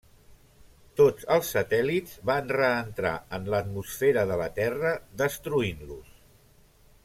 Tots els satèl·lits van reentrar en l'atmosfera de la terra, destruint-los.